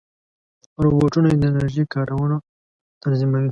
روبوټونه د انرژۍ کارونه تنظیموي.